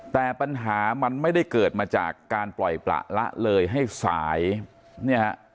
แต่ปัญหามันไม่ได้เกิดมาจากการปล่อยประละเลยให้สายเนี่ยฮะ